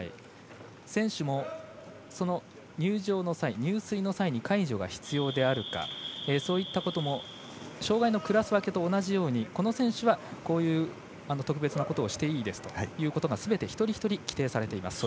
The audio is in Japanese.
選手も入水の際に介助が必要であるかそういったことも障がいのクラス分けと同じようにこの選手はこういう特別なことをしていいですということがすべて一人一人規定されています。